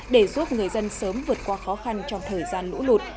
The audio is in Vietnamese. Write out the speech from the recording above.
để giúp người dân sớm vượt qua khó khăn trong thời gian lũ lụt